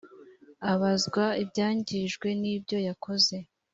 abazwa ibyangijwe n ibyo yakoze